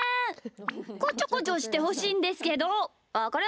こちょこちょしてほしいんですけど。